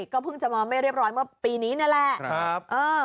ก็เพิ่งจะมาไม่เรียบร้อยเมื่อปีนี้นี่แหละ